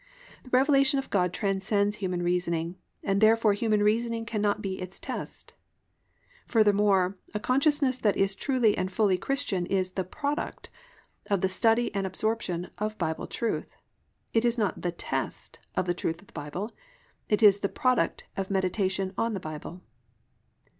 The revelation of God transcends human reasoning, and therefore human reasoning cannot be its test. Furthermore, a consciousness that is truly and fully Christian is the product of the study and absorption of Bible truth. It is not the test of the truth of the Bible,—it is the product of meditation on the Bible.